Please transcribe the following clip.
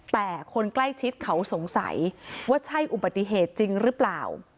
แต่คนใกล้ชิดเขาสงสัยว่าใช่อุบัติเหตุจริงหรือเปล่า